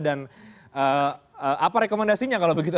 dan apa rekomendasinya kalau begitu